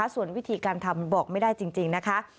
ส่วนวิธีการทำบอกไม่ได้จริงนะคะ